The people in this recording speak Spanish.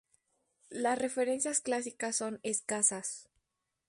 La referencias clásicas son escasas.